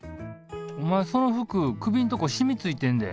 おまえその服首んとこシミついてんで。